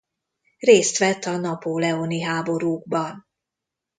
Részt vett a napóleoni háborúkban.